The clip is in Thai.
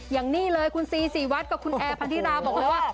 อย่างนี้เลยคุณซีศรีวัตรกับคุณแอร์พันธิราบอกเลยว่า